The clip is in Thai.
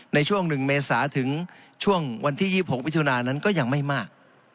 ในช่วง๑เมษาถึงช่วงวันที่๒๖มิถุนานั้นก็ยังไม่มาก